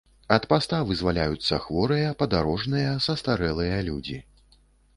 Ад паста вызваляюцца хворыя, падарожныя, састарэлыя людзі.